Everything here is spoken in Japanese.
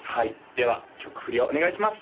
では曲振りをお願いします